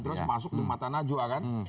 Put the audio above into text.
terus masuk di mata najwa kan